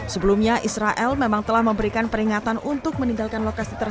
sebelumnya israel memang telah memberikan peringatan untuk meninggalkan